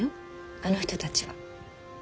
あの人たちは。